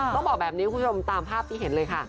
ต้องบอกแบบนี้คุณผู้ชมตามภาพที่เห็นเลยค่ะ